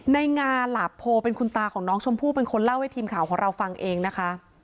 งาหลาโพเป็นคุณตาของน้องชมพู่เป็นคนเล่าให้ทีมข่าวของเราฟังเองนะคะ